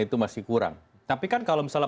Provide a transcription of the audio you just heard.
itu masih kurang tapi kan kalau misalnya